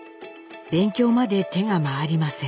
勉強まで手が回りません。